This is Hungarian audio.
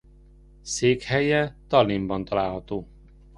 Székhelye Tallinnban található.